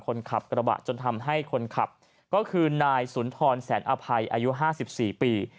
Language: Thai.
คนขับกระบะจนทำให้คนขับก็คือนายสุนทรแสนอภัยอายุ๕๔ปี